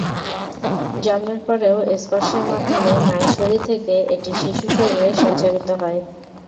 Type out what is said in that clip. জন্মের পরেও স্পর্শের মাধ্যমে মায়ের শরীর থেকে এটি শিশুর শরীরে সঞ্চারিত হয়।